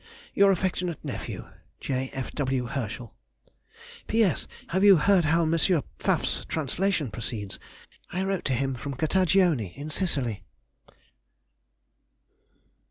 Your affectionate nephew, J. F. W. HERSCHEL. P.S.—Have you heard how M. Pfaff's translation proceeds? I wrote to him from Cattagione, in Sicily.